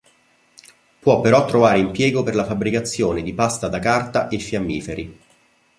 Può però trovare impiego per la fabbricazione di pasta da carta e fiammiferi.